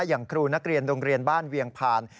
อย่างครูนักเรียนโรงเรียนบ้านเวียงผ่าน